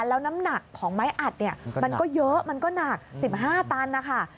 แล้วน้ำหนักของไม้อัดเนี่ยมันก็เยอะมันก็หนัก๑๕ตันนะคะ